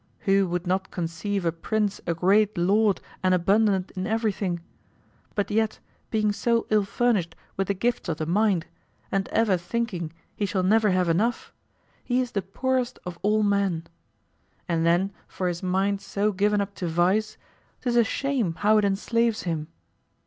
Who would not conceive a prince a great lord and abundant in everything? But yet being so ill furnished with the gifts of the mind, and ever thinking he shall never have enough, he's the poorest of all men. And then for his mind so given up to vice, 'tis a shame how it enslaves him.